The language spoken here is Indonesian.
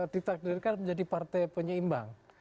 ditakdirkan menjadi partai penyeimbang